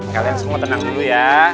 kalian semua tenang dulu ya